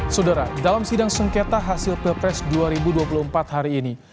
saudara dalam sidang sengketa hasil pilpres dua ribu dua puluh empat hari ini